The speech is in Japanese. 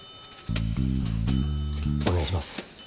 お願いします。